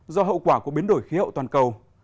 do hậu quả của biến đổi khí hậu toàn cầu